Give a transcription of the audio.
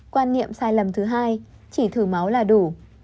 quan niệm sai lầm thứ hai chỉ thử máu là đủ